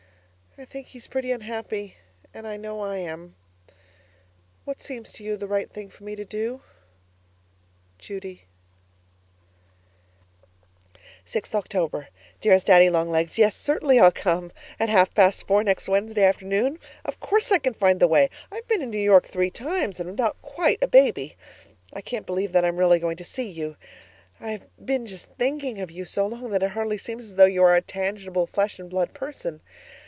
I think he's pretty unhappy, and I know I am! What seems to you the right thing for me to do? Judy 6th October Dearest Daddy Long Legs, Yes, certainly I'll come at half past four next Wednesday afternoon. Of COURSE I can find the way. I've been in New York three times and am not quite a baby. I can't believe that I am really going to see you I've been just THINKING you so long that it hardly seems as though you are a tangible flesh and blood person.